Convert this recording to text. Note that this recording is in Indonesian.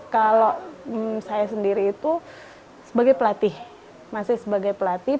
kalau saya sendiri itu sebagai pelatih